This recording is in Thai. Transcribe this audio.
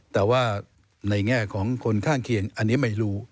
แต่ว่าในแง่ของคนข้างเคียงอันนี้ไม่รู้